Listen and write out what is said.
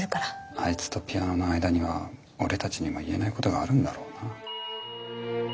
あいつとピアノの間には俺たちにも言えないことがあるんだろうな。